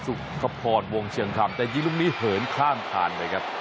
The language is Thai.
สุภพรวงเชียงคำแต่ยิงลูกนี้เหินข้างทางเลยครับ